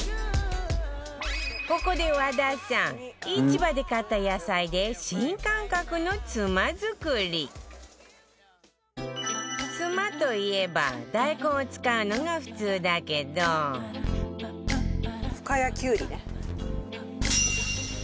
ここで和田さん市場で買った野菜で新感覚のツマ作りツマといえば大根を使うのが普通だけど深谷きゅうりね。